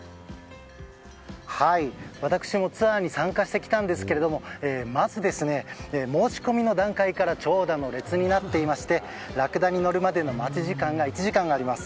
私もツアーに参加してきたんですがまずは申し込みの段階から長蛇の列になっていましてラクダに乗るまでの待ち時間が１時間あります。